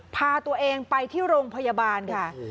พาตัวเองไปที่โรงพยาบาลค่ะ